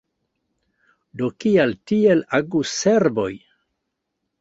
Do kial tiel agus serboj?